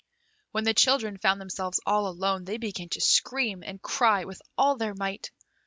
When the children found themselves all alone, they began to scream and cry with all their might.